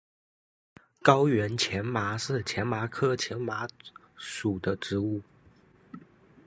高原荨麻是荨麻科荨麻属的植物。